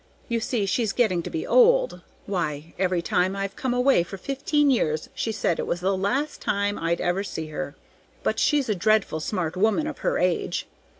You see she's getting to be old; why, every time I've come away for fifteen years she's said it was the last time I'd ever see her, but she's a dreadful smart woman of her age.